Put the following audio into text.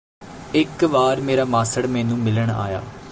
ਇਕ ਵਾਰ ਮੇਰਾ ਮਾਸੜ ਮੈਨੂੰ ਮਿਲਣ ਆਇਆ